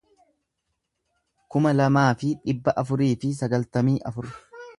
kuma lamaa fi dhibba afurii fi sagaltamii afur